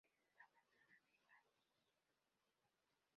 Es la patrona de Haití.